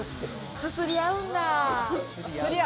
すすりあうんだ！